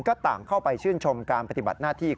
ก็ต่างเข้าไปชื่นชมการปฏิบัติหน้าที่